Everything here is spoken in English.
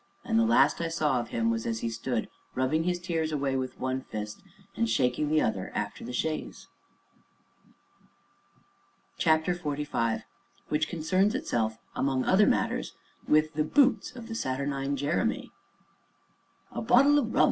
and the last I saw of him was as he stood rubbing his tears away with one fist and shaking the other after the chaise. CHAPTER XLV WHICH CONCERNS ITSELF, AMONG OTHER MATTERS, WITH THE BOOTS OF THE SATURNINE JEREMY "A bottle o' rum!"